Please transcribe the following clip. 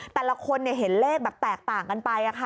แต่ละคนเห็นเลขแบบแตกต่างกันไป